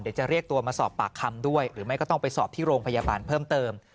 เดี๋ยวจะเรียกตัวมาสอบปากคำด้วยหรือไม่ก็ต้องไปสอบที่โรงพยาบาลเพิ่มเติม